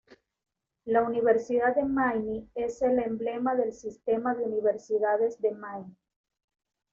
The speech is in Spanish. La Universidad de Maine es el emblema del Sistema de universidades de Maine.